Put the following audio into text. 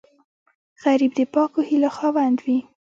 غریب د پاکو هیلو خاوند وي